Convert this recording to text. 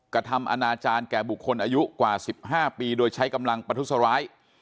กระทำอนาจารย์แก่บุคคลอายุกว่า๑๕ปีโดยใช้กำลังประทุษร้าย